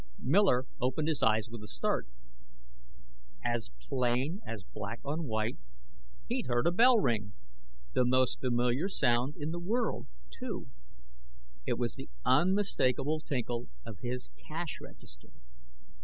Miller opened his eyes with a start. As plain as black on white, he'd heard a bell ring the most familiar sound in the world, too. It was the unmistakable tinkle of his cash register.